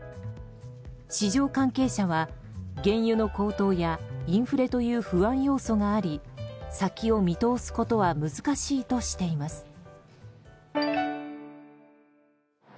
市場関係者は原油の高騰やインフレという不安要素があり先を見通すことは難しいとしています。